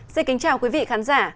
xin kính chào quý vị khán giả